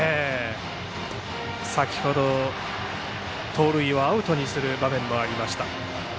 先程、盗塁をアウトにする場面もありました。